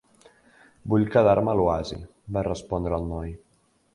"Vull quedar-me a l'oasi", va respondre el noi.